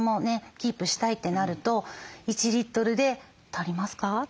キープしたいってなると１リットルで足りますか？という。